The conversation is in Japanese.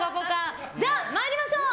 じゃあ、参りましょう！